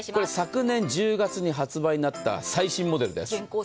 昨年１０月に発売になった最新モデルです。